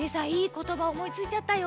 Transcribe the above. ことばおもいついちゃったよ！